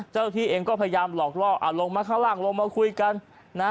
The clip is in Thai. เจ้าที่เองก็พยายามหลอกล่ออ่าลงมาข้างล่างลงมาคุยกันนะ